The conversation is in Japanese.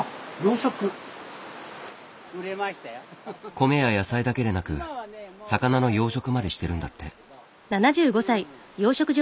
米や野菜だけでなく魚の養殖までしてるんだって。